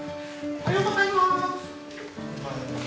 おはようございます。